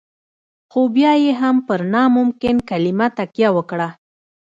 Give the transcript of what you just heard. خو بيا يې هم پر ناممکن کلمه تکيه وکړه.